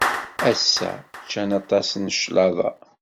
Ass-a, ččan aṭas n cclaḍa.